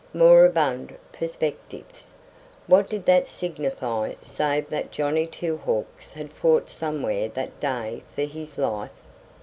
Moribund perspectives. What did that signify save that Johnny Two Hawks had fought somewhere that day for his life?